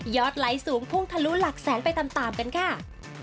ไลค์สูงพุ่งทะลุหลักแสนไปตามกันค่ะ